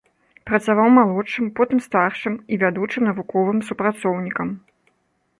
Працаваў малодшым, потым старшым і вядучым навуковым супрацоўнікам.